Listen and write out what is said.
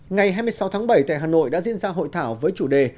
ngày hai mươi sáu tháng bảy tại hà nội đã diễn ra hội thảo với chủ đề